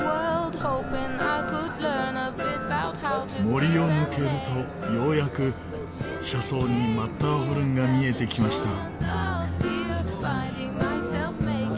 森を抜けるとようやく車窓にマッターホルンが見えてきました。